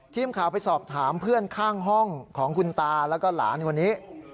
ทีมข่าวไปสอบถามเพื่อนข้างห้องของคุณตาแล้วก็หลานคนนี้